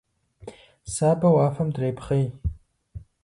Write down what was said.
Сабэ уафэм дрепхъей.